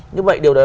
như vậy điều đó